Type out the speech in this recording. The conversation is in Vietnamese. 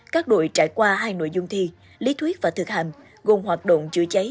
các đội trải qua hai nội dung thi lý thuyết và thực hành gồm hoạt động chữa cháy